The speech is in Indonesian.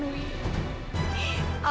terima kasih semua